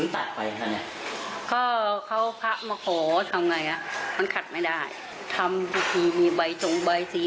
แต่นี้ก็ฟินพักนะพักเข้าโอ้งมา